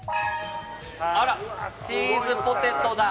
あらチーズポテトだ。